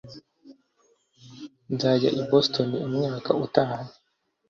nzajya i boston umwaka utaha